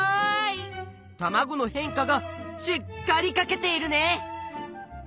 たまごの変化がしっかりかけているね！